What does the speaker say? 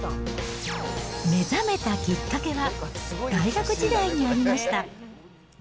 目覚めたきっかけは、大学時代にありました。